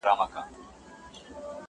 و باطل ته یې ترک کړئ عدالت دی,